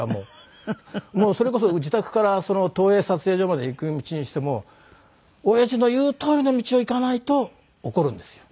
もうそれこそ自宅から東映撮影所まで行く道にしても親父の言うとおりの道を行かないと怒るんですよ。